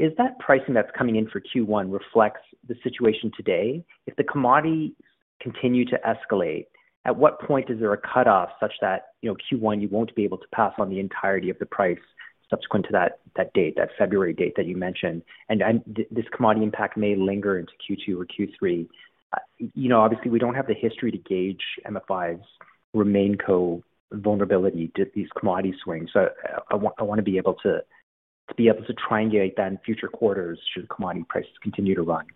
Is that pricing that's coming in for Q1 reflecting the situation today? If the commodities continue to escalate, at what point is there a cutoff such that in Q1, you will not be able to pass on the entirety of the price subsequent to that date, that February date that you mentioned? This commodity impact may linger into Q2 or Q3. Obviously, we do not have the history to gauge Maple Leaf Foods' remaining code vulnerability to these commodity swings. I want to be able to triangulate that in future quarters should the commodity prices continue to run.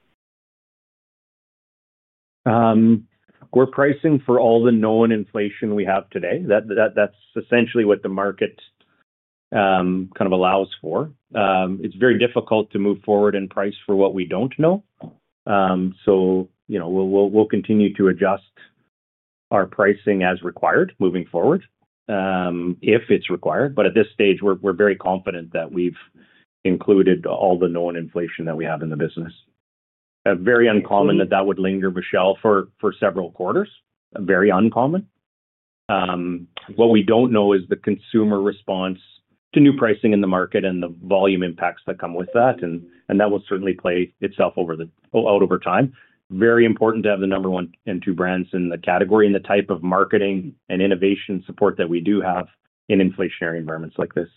We are pricing for all the known inflation we have today. That is essentially what the market kind of allows for. It is very difficult to move forward and price for what we do not know. We'll continue to adjust our pricing as required moving forward if it's required. At this stage, we're very confident that we've included all the known inflation that we have in the business. Very uncommon that that would linger, Vishal, for several quarters. Very uncommon. What we don't know is the consumer response to new pricing in the market and the volume impacts that come with that. That will certainly play itself out over time. Very important to have the number one and two brands in the category and the type of marketing and innovation support that we do have in inflationary environments like this.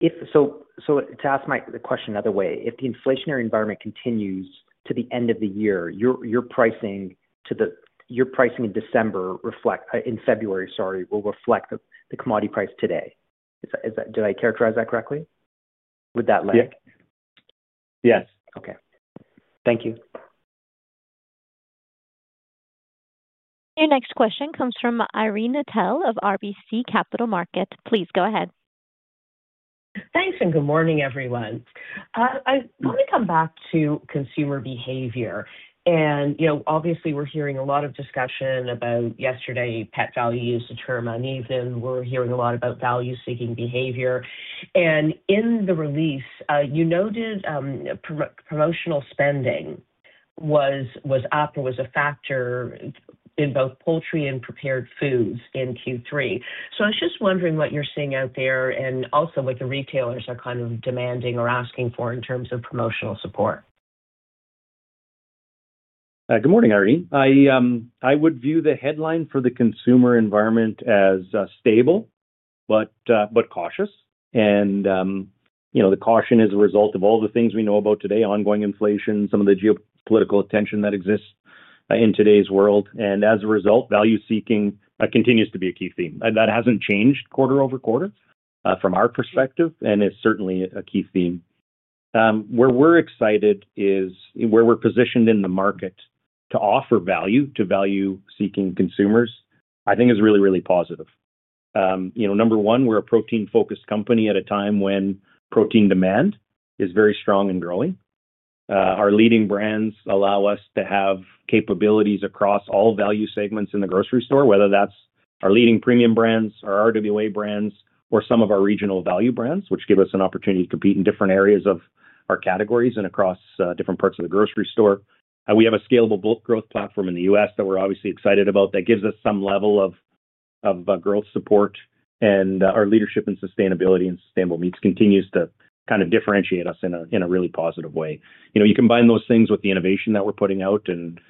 To ask the question the other way, if the inflationary environment continues to the end of the year, your pricing in December, in February, sorry, will reflect the commodity price today. Did I characterize that correctly? Would that land? Yes. Yes. Okay. Thank you. Your next question comes from Irene Nattel of RBC Capital Markets. Please go ahead. Thanks. And good morning, everyone. I want to come back to consumer behavior. Obviously, we're hearing a lot of discussion about, yesterday, pet values determined uneven. We're hearing a lot about value-seeking behavior. In the release, you noted promotional spending was up, was a factor in both poultry and prepared Foods in Q3. I was just wondering what you're seeing out there and also what the retailers are kind of demanding or asking for in terms of promotional support. Good morning, Irene. I would view the headline for the consumer environment as stable but cautious. The caution is a result of all the things we know about today: ongoing inflation, some of the geopolitical tension that exists in today's world. As a result, value-seeking continues to be a key theme. That has not changed quarter over quarter from our perspective, and it is certainly a key theme. Where we are excited is where we are positioned in the market to offer value to value-seeking consumers, I think, is really, really positive. Number one, we are a protein-focused company at a time when protein demand is very strong and growing. Our leading brands allow us to have capabilities across all value segments in the grocery store, whether that is our leading premium brands, our RWA brands, or some of our regional value brands, which give us an opportunity to compete in different areas of our categories and across different parts of the grocery store. We have a scalable growth platform in the U.S. that we are obviously excited about that gives us some level of growth support. Our leadership in sustainability and sustainable meats continues to kind of differentiate us in a really positive way. You combine those things with the innovation that we're putting out and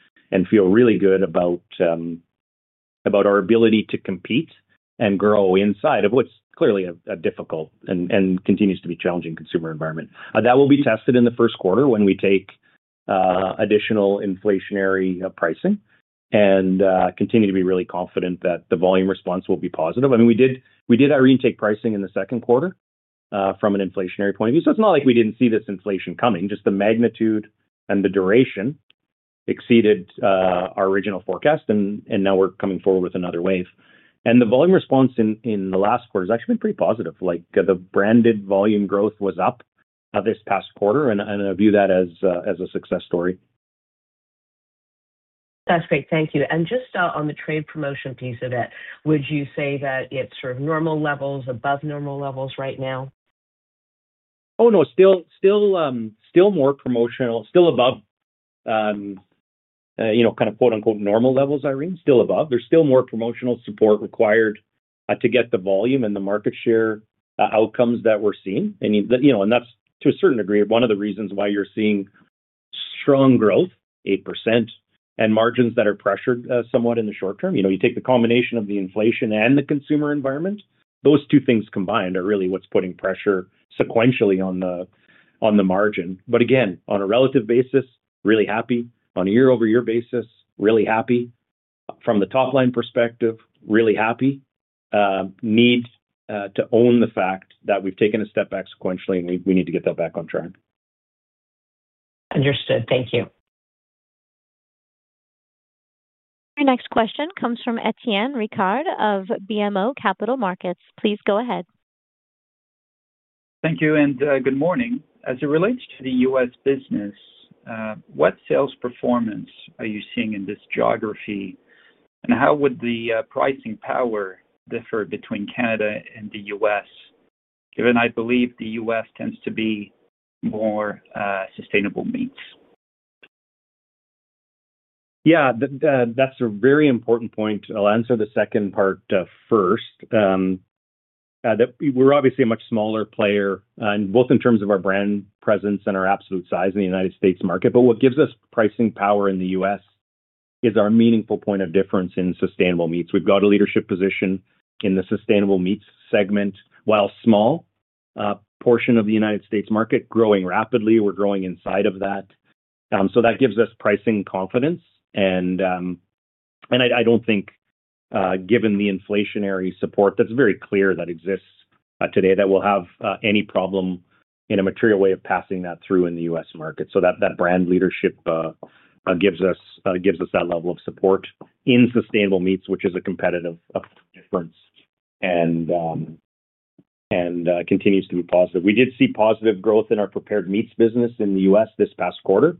feel really good about our ability to compete and grow inside of what's clearly a difficult and continues to be challenging consumer environment. That will be tested in the first quarter when we take additional inflationary pricing and continue to be really confident that the volume response will be positive. I mean, we did, Irene, take pricing in the second quarter from an inflationary point of view. It's not like we didn't see this inflation coming. Just the magnitude and the duration exceeded our original forecast, and now we're coming forward with another wave. The volume response in the last quarter has actually been pretty positive. The branded volume growth was up this past quarter, and I view that as a success story. That's great. Thank you. Just on the trade promotion piece of it, would you say that it's sort of normal levels, above normal levels right now? Oh, no. Still. More promotional, still above. Kind of "normal levels," Irene, still above. There's still more promotional support required to get the volume and the market share outcomes that we're seeing. That's, to a certain degree, one of the reasons why you're seeing strong growth, 8%, and margins that are pressured somewhat in the short term. You take the combination of the inflation and the consumer environment. Those two things combined are really what's putting pressure sequentially on the margin. Again, on a relative basis, really happy. On a year-over-year basis, really happy. From the top-line perspective, really happy. Need to own the fact that we've taken a step back sequentially, and we need to get that back on track. Understood. Thank you. Your next question comes from Étienne Ricard of BMO Capital Markets. Please go ahead. Thank you. And good morning. As it relates to the U.S. business. What sales performance are you seeing in this geography, and how would the pricing power differ between Canada and the U.S., given I believe the U.S. tends to be more sustainable meats? Yeah. That's a very important point. I'll answer the second part first. We're obviously a much smaller player, both in terms of our brand presence and our absolute size in the United States market. What gives us pricing power in the U.S. is our meaningful point of difference in sustainable meats. We've got a leadership position in the sustainable meats segment, while a small. Portion of the United States market is growing rapidly. We're growing inside of that. That gives us pricing confidence. I don't think, given the inflationary support that's very clear that exists today, that we'll have any problem in a material way of passing that through in the U.S. market. That brand leadership gives us that level of support in sustainable meats, which is a competitive difference and continues to be positive. We did see positive growth in our prepared meats business in the U.S. this past quarter,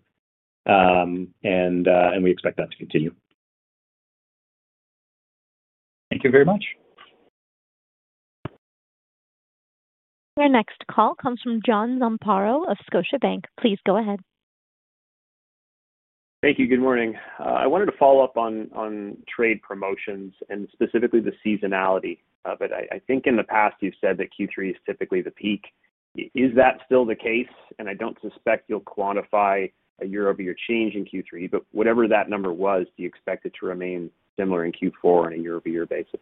and we expect that to continue. Thank you very much. Your next call comes from John Zamparo of Scotiabank. Please go ahead. Thank you. Good morning. I wanted to follow up on trade promotions and specifically the seasonality of it. I think in the past, you've said that Q3 is typically the peak. Is that still the case? I do not suspect you'll quantify a year-over-year change in Q3. Whatever that number was, do you expect it to remain similar in Q4 on a year-over-year basis?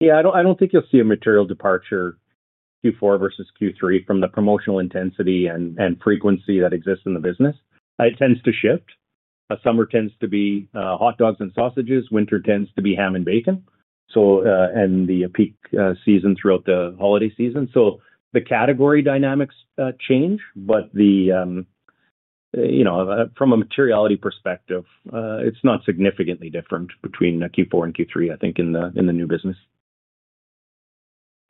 Yeah. I do not think you'll see a material departure Q4 versus Q3 from the promotional intensity and frequency that exists in the business. It tends to shift. Summer tends to be hot dogs and sausages. Winter tends to be ham and bacon, and the peak season throughout the holiday season. The category dynamics change, but from a materiality perspective, it's not significantly different between Q4 and Q3, I think, in the new business.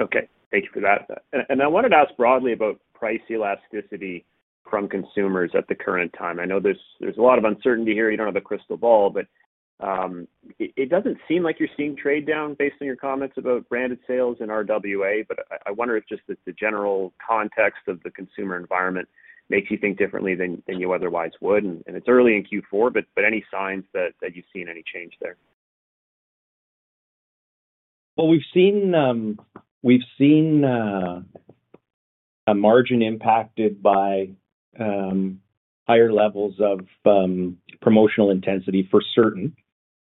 Okay. Thank you for that. I wanted to ask broadly about price elasticity from consumers at the current time. I know there's a lot of uncertainty here. You do not have a crystal ball, but. It does not seem like you are seeing trade down based on your comments about branded sales and RWA. I wonder if just the general context of the consumer environment makes you think differently than you otherwise would. It is early in Q4, but any signs that you have seen any change there? We have seen a margin impacted by higher levels of promotional intensity for certain.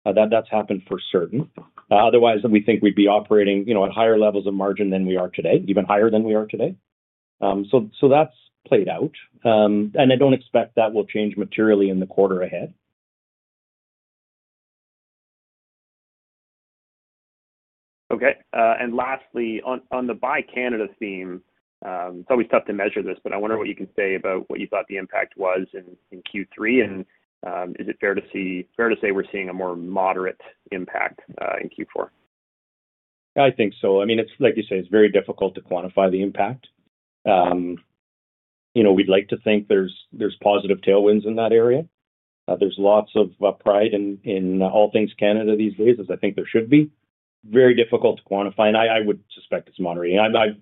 That has happened for certain. Otherwise, we think we would be operating at higher levels of margin than we are today, even higher than we are today. That has played out. I do not expect that will change materially in the quarter ahead. Okay. Lastly, on the Buy Canada theme, it is always tough to measure this, but I wonder what you can say about what you thought the impact was in Q3. Is it fair to say we are seeing a more moderate impact in Q4? I think so. I mean, like you say, it's very difficult to quantify the impact. We'd like to think there's positive tailwinds in that area. There's lots of pride in all things Canada these days, as I think there should be. Very difficult to quantify. I would suspect it's moderating. I've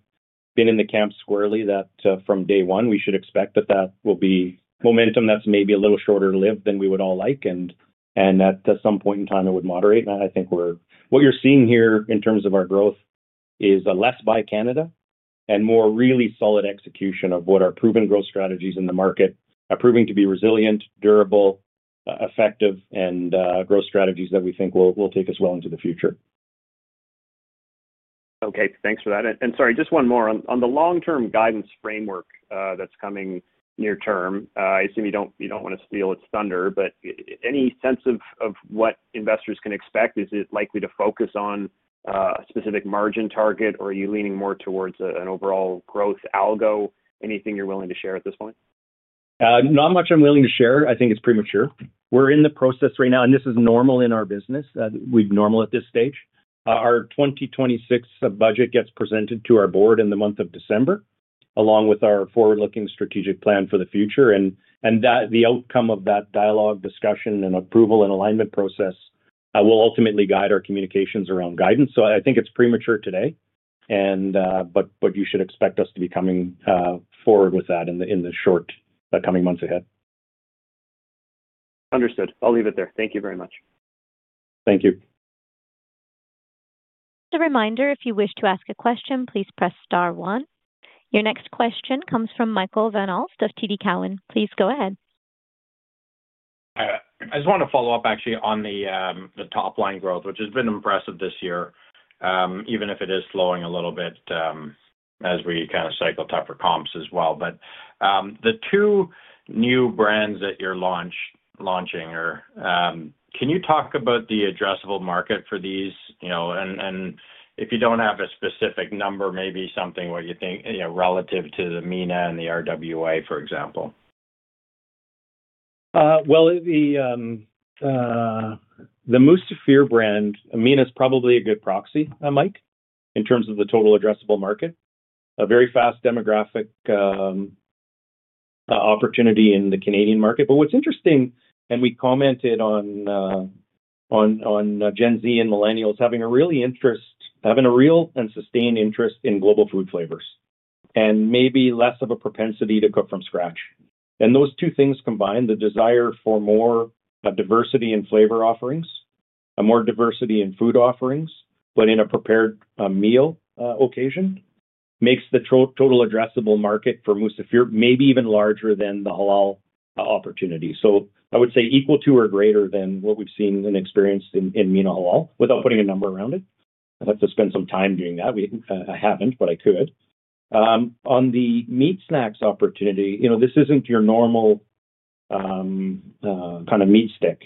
been in the camp squarely that from day one, we should expect that that will be momentum that's maybe a little shorter to live than we would all like, and that at some point in time, it would moderate. I think what you're seeing here in terms of our growth is a less Buy Canada and more really solid execution of what our proven growth strategies in the market are proving to be resilient, durable, effective, and growth strategies that we think will take us well into the future. Okay. Thanks for that. Sorry, just one more. On the long-term guidance framework that's coming near term, I assume you don't want to steal its thunder, but any sense of what investors can expect? Is it likely to focus on a specific margin target, or are you leaning more towards an overall growth algo? Anything you're willing to share at this point? Not much I'm willing to share. I think it's premature. We're in the process right now, and this is normal in our business. We're normal at this stage. Our 2026 budget gets presented to our board in the month of December, along with our forward-looking strategic plan for the future. The outcome of that dialogue, discussion, and approval and alignment process will ultimately guide our communications around guidance. I think it's premature today, but you should expect us to be coming forward with that in the short coming months ahead. Understood. I'll leave it there. Thank you very much. Thank you. Just a reminder, if you wish to ask a question, please press star one. Your next question comes from Michael Van Aelst of TD Cowen. Please go ahead. I just want to follow up, actually, on the top-line growth, which has been impressive this year, even if it is slowing a little bit, as we kind of cycle tougher comps as well. The two new brands that you're launching, can you talk about the addressable market for these? If you don't have a specific number, maybe something what you think relative to the Mina and the RWA, for example. The Musafir brand, Mina is probably a good proxy, Mike, in terms of the total addressable market. A very fast demographic. Opportunity in the Canadian market. What's interesting, we commented on Gen Z and millennials having a real and sustained interest in global food flavors, and maybe less of a propensity to cook from scratch. Those two things combined, the desire for more diversity in flavor offerings, more diversity in food offerings, but in a prepared meal occasion, makes the total addressable market for Musafir maybe even larger than the halal opportunity. I would say equal to or greater than what we've seen and experienced in Mina Halal, without putting a number around it. I'd have to spend some time doing that. I haven't, but I could. On the meat snacks opportunity, this isn't your normal kind of meat stick.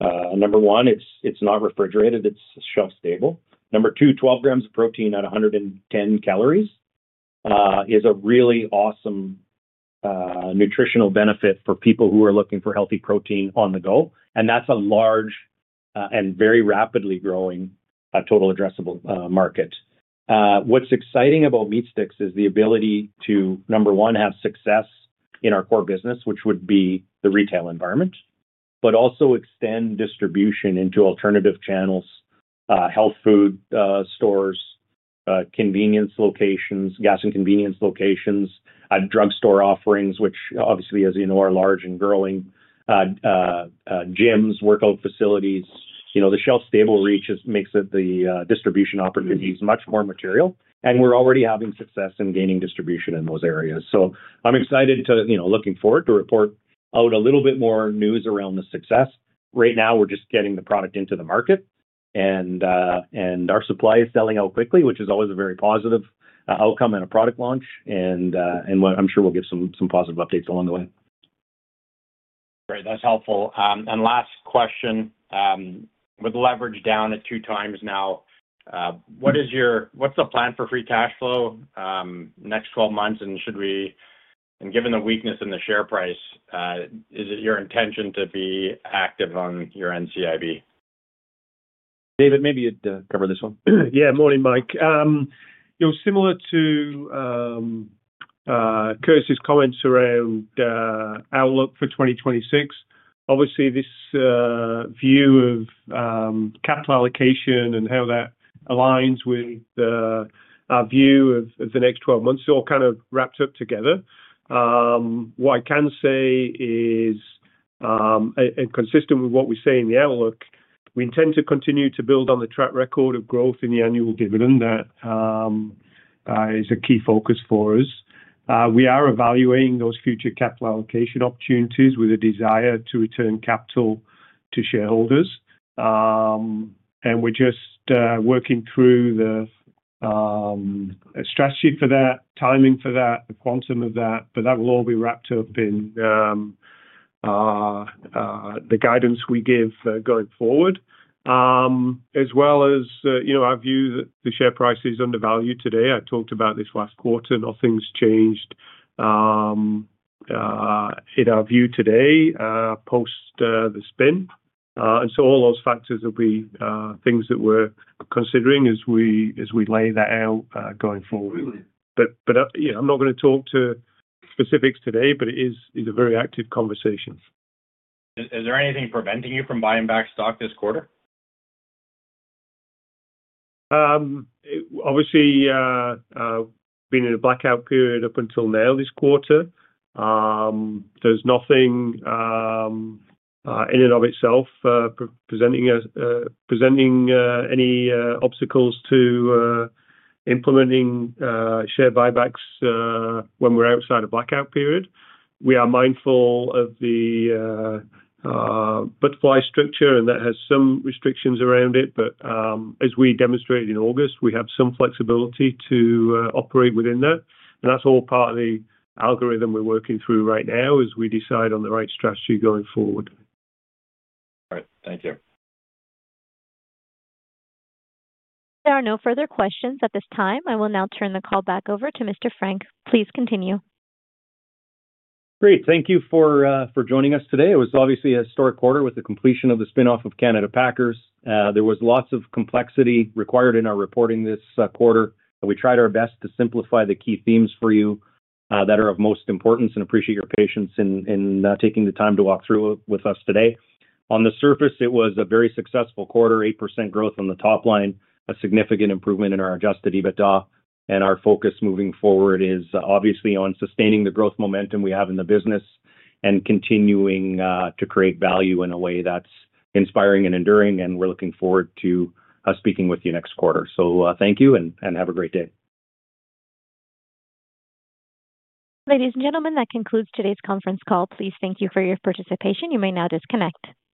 Number one, it's not refrigerated. It's shelf-stable. Number two, 12 g of protein at 110 calories. Is a really awesome nutritional benefit for people who are looking for healthy protein on the go. And that's a large and very rapidly growing total addressable market. What's exciting about meat sticks is the ability to, number one, have success in our core business, which would be the retail environment, but also extend distribution into alternative channels: health food stores, convenience locations, gas and convenience locations, drugstore offerings, which obviously, as you know, are large and growing. Gyms, workout facilities. The shelf-stable reach makes the distribution opportunities much more material. We're already having success in gaining distribution in those areas. I'm excited to, looking forward to report out a little bit more news around the success. Right now, we're just getting the product into the market. Our supply is selling out quickly, which is always a very positive outcome in a product launch. I am sure we will get some positive updates along the way. Great. That is helpful. Last question. With leverage down at two times now, what is the plan for free cash flow next 12 months? Given the weakness in the share price, is it your intention to be active on your NCIB? David, maybe you would cover this one. Yeah. Morning, Mike. Similar to Curtis's comments around outlook for 2026, obviously, this view of capital allocation and how that aligns with our view of the next 12 months all kind of wrapped up together. What I can say is, and consistent with what we say in the outlook, we intend to continue to build on the track record of growth in the annual dividend. That is a key focus for us. We are evaluating those future capital allocation opportunities with a desire to return capital to shareholders. We are just working through the strategy for that, timing for that, the quantum of that. That will all be wrapped up in the guidance we give going forward, as well as our view that the share price is undervalued today. I talked about this last quarter. Nothing's changed in our view today post the spin. All those factors will be things that we're considering as we lay that out going forward. I'm not going to talk to specifics today, but it is a very active conversation. Is there anything preventing you from buying back stock this quarter? Obviously, being in a blackout period up until now this quarter, there's nothing in and of itself presenting any obstacles to implementing share buybacks when we're outside a blackout period. We are mindful of the butterfly structure, and that has some restrictions around it. As we demonstrated in August, we have some flexibility to operate within that. That is all part of the algorithm we are working through right now as we decide on the right strategy going forward. All right. Thank you. There are no further questions at this time. I will now turn the call back over to Mr. Frank. Please continue. Great. Thank you for joining us today. It was obviously a historic quarter with the completion of the spinoff of Canada Packers. There was lots of complexity required in our reporting this quarter. We tried our best to simplify the key themes for you that are of most importance and appreciate your patience in taking the time to walk through with us today. On the surface, it was a very successful quarter, 8% growth on the top line, a significant improvement in our adjusted EBITDA. Our focus moving forward is obviously on sustaining the growth momentum we have in the business and continuing to create value in a way that's inspiring and enduring. We are looking forward to speaking with you next quarter. Thank you and have a great day. Ladies and gentlemen, that concludes today's conference call. Thank you for your participation. You may now disconnect.